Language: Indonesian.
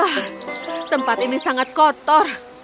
wah tempat ini sangat kotor